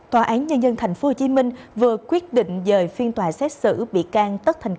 tòa án nhân dân tp hcm vừa quyết định dời phiên tòa xét xử bị can tất thành cao